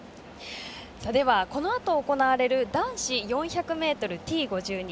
このあと行われる男子４００ｍＴ５２